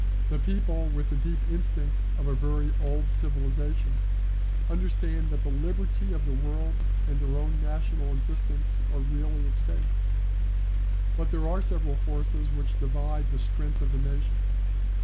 The people, with the deep instinct of a very old civilisation, understand that the liberty of the world and their own national existence are really at stake. But there are several forces which divide the strength of the nation.